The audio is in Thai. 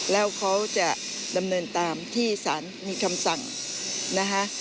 แล้วเขาจะดำเนินตามที่สารมีคำสั่งนะคะ